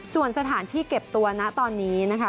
ส่วนสถานที่เก็บตัวนะตอนนี้นะคะ